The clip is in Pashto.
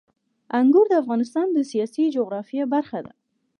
انګور د افغانستان د سیاسي جغرافیه برخه ده.